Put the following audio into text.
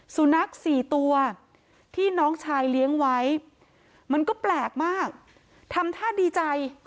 สุนัขสี่ตัวที่น้องชายเลี้ยงไว้มันก็แปลกมากทำท่าดีใจ